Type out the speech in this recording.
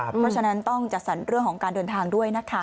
เพราะฉะนั้นต้องจัดสรรเรื่องของการเดินทางด้วยนะคะ